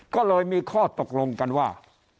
ก็เลยมีข้อตกลงกันว่า